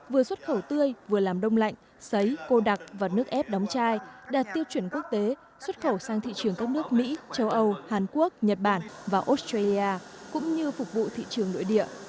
vừa xuất khẩu tươi vừa làm đông lạnh sấy cô đặc và nước ép đóng chai đạt tiêu chuẩn quốc tế xuất khẩu sang thị trường các nước mỹ châu âu hàn quốc nhật bản và australia cũng như phục vụ thị trường nội địa